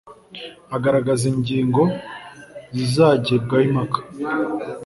agaragaza ingingo zizagibwaho impaka